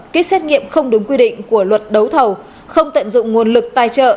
ký xét nghiệm không đúng quy định của luật đấu thầu không tận dụng nguồn lực tài trợ